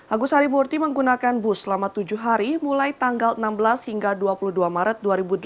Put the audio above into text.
agus harimurti menggunakan bus selama tujuh hari mulai tanggal enam belas hingga dua puluh dua maret dua ribu delapan belas